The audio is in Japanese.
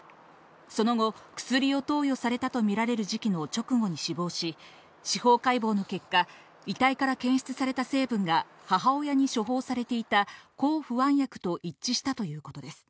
その後、薬を投与されたと見られる時期の直後に死亡し、司法解剖の結果、遺体から検出された成分が、母親に処方されていた抗不安薬と一致したということです。